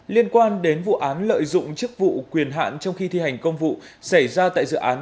liên quan đến vụ án lợi dụng chức vụ quyền hạn trong khi thi hành công vụ xảy ra tại dự án